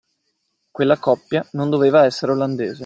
Quella coppia non doveva essere olandese.